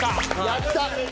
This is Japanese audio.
やった！